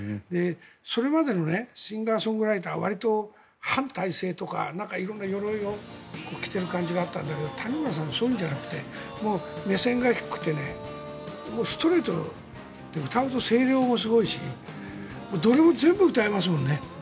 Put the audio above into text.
それまでのシンガー・ソングライターはわりと反体制とか色々なよろいを着ている感じがあったんだけど谷村さんはそういうのじゃなくて目線が低くてストレートで歌うと声量もすごいしどれも全部歌えますもんね。